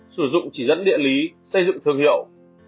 sử dụng chỉ dẫn địa lý xây dựng thương hiệu